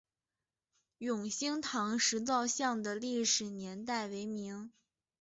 永兴堂石造像的历史年代为明。